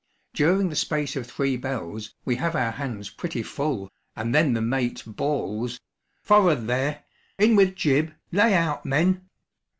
During the space of three bells, we have our hands pretty full, and then the mate bawls: 'For'ard there! In with jib; lay out, men!'